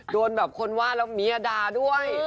โดนแบบคนว่าแล้วเมียด่าด้วย